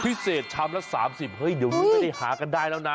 พิเศษชามละ๓๐บาทเฮ้ยเดี๋ยวนุ้นไม่ได้หากันได้แล้วนะ